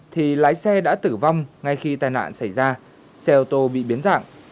thì lái xe đã tử vong ngay khi tai nạn xảy ra xe ô tô bị biến dạng